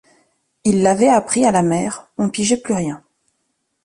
Il l’avait appris à la mère, on pigeait plus rien.